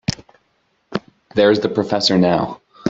There's the professor now.